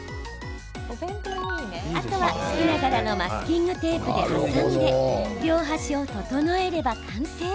あとは、好きな柄のマスキングテープで挟んで両端を整えれば完成。